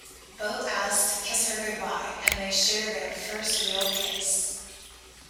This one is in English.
Beau asks to kiss her goodbye and they share their first real kiss.